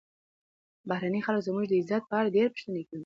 بهرني خلک زموږ د عزت په اړه ډېرې پوښتنې کوي.